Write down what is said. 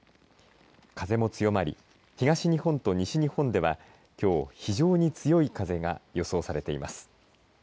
風も強まり、東日本と西日本ではきょう非常に強い風が予想されています。